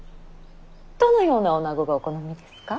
どのような女子がお好みですか。